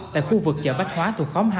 tại khu vực chợ bách hóa thuộc khóm hai